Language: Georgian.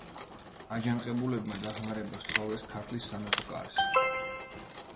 აჯანყებულებმა დახმარება სთხოვეს ქართლის სამეფო კარს.